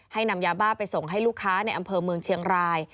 นำยาบ้าไปส่งให้ลูกค้าในอำเภอเมืองเชียงราย